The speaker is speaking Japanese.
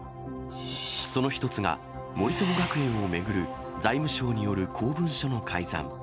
その一つが森友学園を巡る財務省による公文書の改ざん。